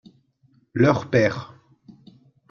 Leur père.